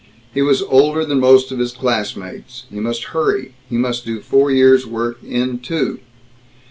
He was older than most of his classmates. He must hurry. He must do four years' work in two.